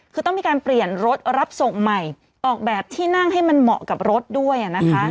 คือต้องมีการเปลี่ยนรถรับส่งใหม่ออกแบบที่นั่งให้มันเหมาะกับรถด้วยนะคะ